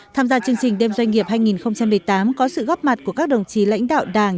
tham gia chương trình đêm doanh nghiệp hai nghìn một mươi tám có sự góp mặt của các đồng chí lãnh đạo đảng